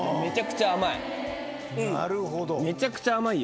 めちゃくちゃ甘い。